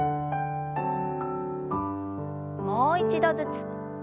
もう一度ずつ。